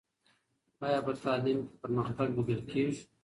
آیا په تعلیم کې پرمختګ لیدل کېږي؟